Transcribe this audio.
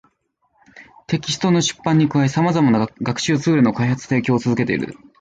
テキストの出版に加え、様々な学習ツールの開発・提供を続けている